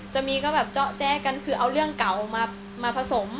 จะมีก็แบบเจาะแจ๊กันคือเอาเรื่องเก่ามาผสม